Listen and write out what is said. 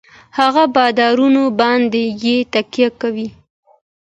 هـغـه بـادارنـو بـانـدې يـې تکيـه کـوي.